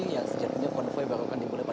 ya sejatinya konvoy baru akan dimulai pada pagi